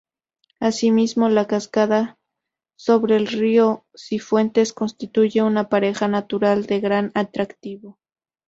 Asimismo, la cascada sobre el río Cifuentes constituye un paraje natural de gran atractivo.